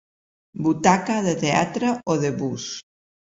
Butaca de teatre o de bus.